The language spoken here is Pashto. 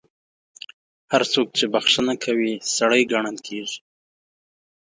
هر څوک چې بخښنه کوي، سړی ګڼل کیږي.